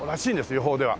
予報では。